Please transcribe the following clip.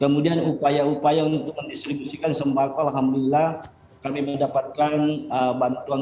kemudian upaya upaya untuk mendistribusikan sembako alhamdulillah kami mendapatkan bantuan